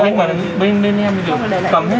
em vừa chở người nhà em đi